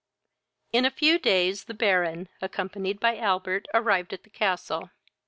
In a few days, the Baron, accompanied by Albert, arrived at the castle.